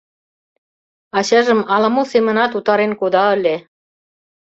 Ачажым ала-мо семынат утарен кода ыле.